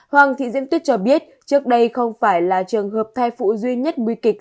hoàng thị diễm tuyết cho biết trước đây không phải là trường hợp thay phụ duy nhất nguy kịch